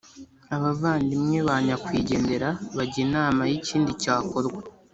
abavandimwe ba nyakwigendera bajya inama y’ikindi cyakorwa.